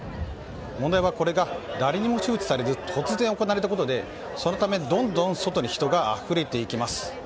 問題は、これが誰にも周知されず突然行われたことでそのため、どんどん外に人があふれていきます。